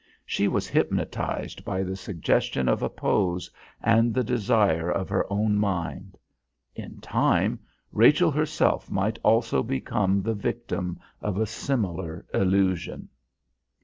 She was hypnotised by the suggestion of a pose and the desire of her own mind. In time, Rachel herself might also become the victim of a similar illusion!